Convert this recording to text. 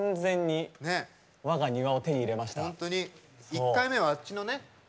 １回目はあっちのね庭で。